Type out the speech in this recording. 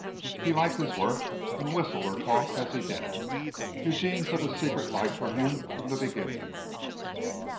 He liked his work, and whistled or talked as he did it. Eugene took a secret like for him from the beginning.